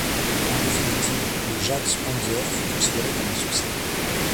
En définitive, le Jagdpanzer fut considéré comme un succès.